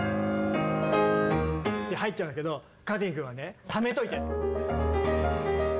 って入っちゃうんだけどかてぃん君はねためといて。